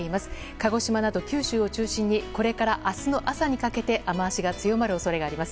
鹿児島など九州を中心にこれから明日の朝にかけて雨脚が強まる恐れがあります。